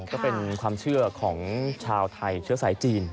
ก็เป็นความเชื่อของชาวไทยเชื้อสายจีน